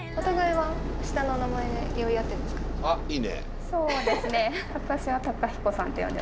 はい。